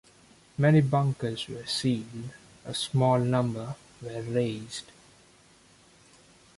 Many bunkers were sealed, a small number were razed.